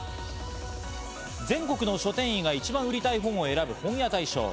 全国の書店員が一番売りたい本を選ぶ本屋大賞。